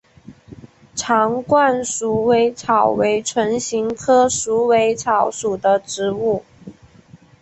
长冠鼠尾草为唇形科鼠尾草属的植物。